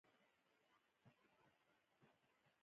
آیا دوی د غنمو د ساتلو سیلوګانې نلري؟